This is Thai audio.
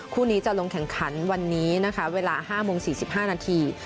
คู่นี้จะลงแข่งขันวันนี้นะคะเวลา๕โมง๔๕นาที